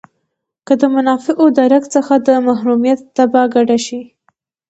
که د منافعو له رګ څخه د محرومیت تبه کډه شي.